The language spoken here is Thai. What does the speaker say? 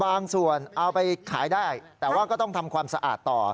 บางส่วนเอาไปขายได้แต่ว่าก็ต้องทำความสะอาดต่อ